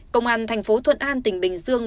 công an thành phố thuận an tỉnh bình dương